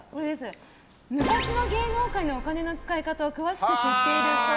昔の芸能界のお金の使い方を詳しく知っているっぽい。